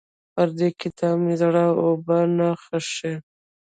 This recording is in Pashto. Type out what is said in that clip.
پر دې کتاب مې زړه اوبه نه څښي.